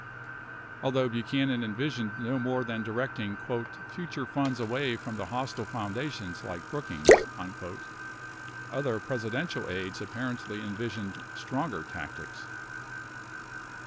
25 Although Buchanan envisioned no more than directing "... future funds away from the hostile foundations, like Brookings," 26 other Presidential aides apparently envisioned stronger tactics.